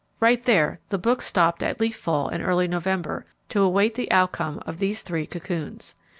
Right there the book stopped at leaf fall early in November to await the outcome of those three cocoons.